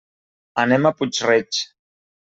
Anem a Puig-reig.